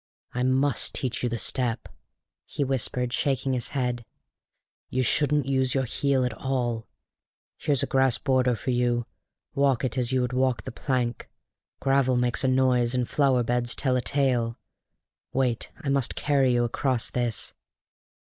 "I must teach you the step," he whispered, shaking his head. "You shouldn't use your heel at all. Here's a grass border for you: walk it as you would the plank! Gravel makes a noise, and flower beds tell a tale. Wait I must carry you across this."